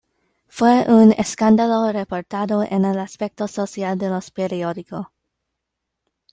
Fue un escándalo reportado en el aspecto social de los periódico.